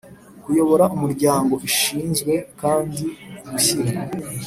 kuyobora Umuryango Ishinzwe kandi gushyira